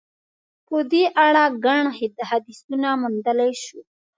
په دې اړه ګڼ حدیثونه موندلای شو.